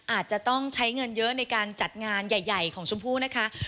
อาจจะต้องใช้เงินเยอะในการจัดงานใหญ่ของชมพู่นะคะ